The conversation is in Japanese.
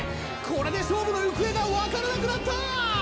これで勝負の行方がわからなくなった！